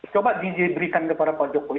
coba diberikan kepada pak jokowi